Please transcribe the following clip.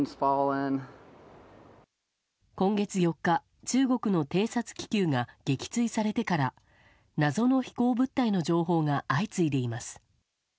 今月４日、中国の偵察気球が撃墜されてから謎の飛行物体の情報が相次いでいます。